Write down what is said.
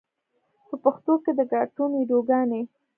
په پښتو کې د کاټون ویډیوګانې